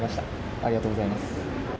ありがとうございます。